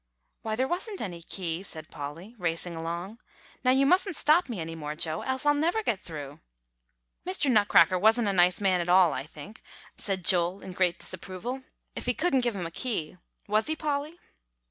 "Why, there wasn't any key," said Polly, racing along. "Now, you mustn't stop me any more, Joe, else I never'll get through." "Mr. Nutcracker wasn't a nice man at all, I think," said Joel in great disapproval, "if he couldn't give 'em a key. Was he, Polly?"